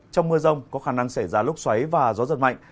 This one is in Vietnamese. trong mưa rông có khả năng xảy ra lốc xoáy và gió giật mạnh